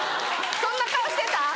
そんな顔してた？